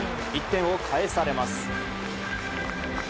１点を返されます。